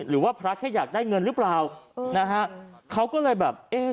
หรือว่าพระแค่อยากได้เงินหรือเปล่านะฮะเขาก็เลยแบบเอ๊ะ